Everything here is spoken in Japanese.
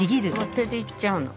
手でいっちゃうの。